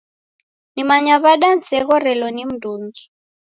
Nimanyaa w'ada niseghorelo ni mndungi?